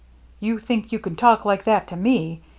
" You think you can talk like that to me